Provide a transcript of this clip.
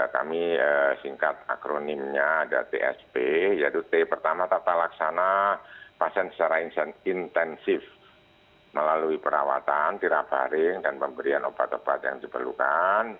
kami singkat akronimnya ada tsp yaitu t pertama tata laksana pasien secara intensif melalui perawatan tirabaring dan pemberian obat obat yang diperlukan